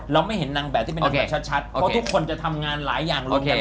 ไม่เห็นนางแบบที่เป็นแบบชัดเพราะทุกคนจะทำงานหลายอย่างรวมกัน